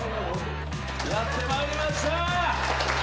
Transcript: やってまいりました。